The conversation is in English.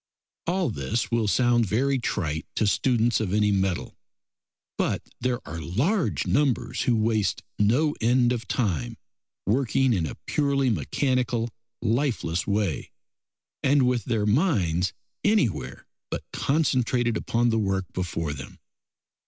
All this will sound very trite to students of any mettle, but there are large numbers who waste no end of time working in a purely mechanical, lifeless way, and with their minds anywhere but concentrated upon the work before them.